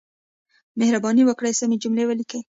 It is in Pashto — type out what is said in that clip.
مهرباني وکړئ سمې جملې ولیکئ.